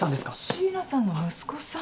椎名さんの息子さん。